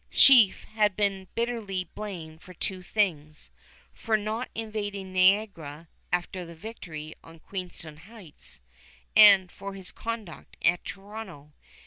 Sheaffe has been bitterly blamed for two things, for not invading Niagara after the victory on Queenston Heights, and for his conduct at Toronto.